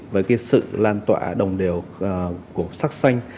với sự lan tỏa đồng đều của sắc xanh